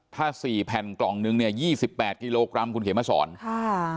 ถ้าสี่แผ่นกล่องนึงเนี่ยยี่สิบแปดกิโลกรัมคุณเขมสอนค่ะ